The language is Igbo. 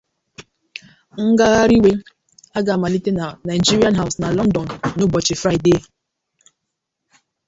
Ngagharị iwe a ga-amalite na Nigerian House na London n’ụbọchị Fraịdee